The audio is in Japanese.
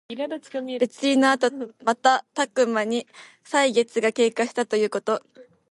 別離のあとまたたくまに歳月が経過したということ。